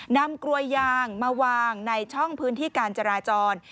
กลวยยางมาวางในช่องพื้นที่การจราจร